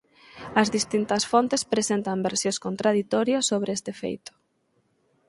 As distintas fontes presentan versións contraditorias sobre este feito